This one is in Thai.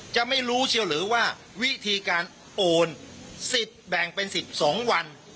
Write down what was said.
จะไม่รู้เชียวหรือว่าวิธีการโอนสิทธิ์แบ่งเป็น๑๒วัน